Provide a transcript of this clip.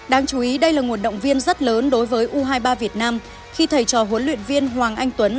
đáng chú ý đây là nguồn động viên rất lớn đối với u hai mươi ba việt nam khi thầy trò huấn luyện viên hoàng anh tuấn